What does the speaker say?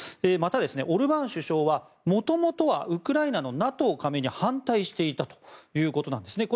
またオルバーン首相はもともとはウクライナのＮＡＴＯ加盟に反対していたということです。